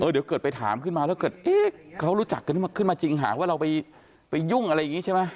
เดี๋ยวเกิดไปถามขึ้นมาแล้วเกิดเขารู้จักกันขึ้นมาจริงหากว่าเราไปยุ่งอะไรอย่างนี้ใช่ไหม